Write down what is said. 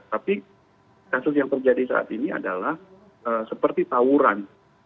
tapi kasus yang terjadi saat ini adalah seperti tawuran